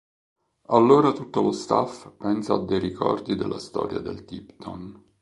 Allora tutto lo staff pensa a dei ricordi della storia del Tipton.